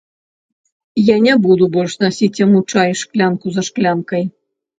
Я не буду больш насіць яму чай шклянку за шклянкай.